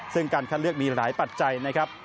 ซึ่งการคัดเลือกมีหลายปัจจัยนะครับ